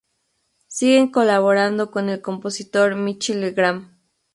Sigue colaborando con el compositor Michel Legrand.